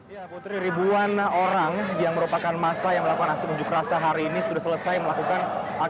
ya putri ribuan orang yang merupakan masa yang melakukan aksi unjuk rasa hari ini sudah selesai melakukan aksi